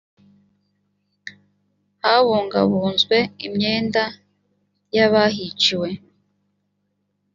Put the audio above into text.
habungabunzwe imyenda y’ abahiciwe.